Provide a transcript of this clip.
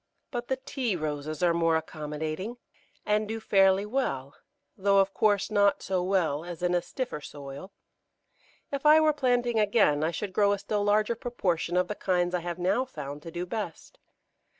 But the Tea Roses are more accommodating, and do fairly well, though, of course, not so well as in a stiffer soil. If I were planting again I should grow a still larger proportion of the kinds I have now found to do best.